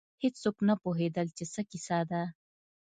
هېڅوک نه پوهېدل چې څه کیسه ده.